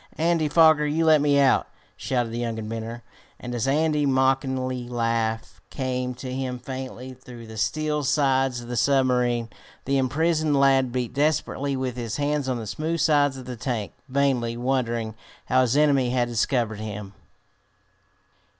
Andy Foger, you let me out!" shouted the young inventor; and as Andy's mocking laugh came to him faintly through the steel sides of the submarine, the imprisoned lad beat desperately with his hands on the smooth sides of the tank, vainly wondering how his enemy had discovered him.